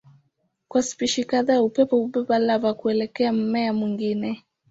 Kwa spishi kadhaa upepo hubeba lava kuelekea mmea mwingine.